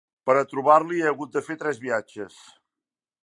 Per a trobar-l'hi he hagut de fer tres viatges.